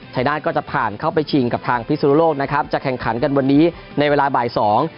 ชายนาฏก็จะผ่านเข้าไปชิงกับทางพิสุนโลกนะครับจะแข่งขันกันวันนี้ในเวลาบ่ายสอง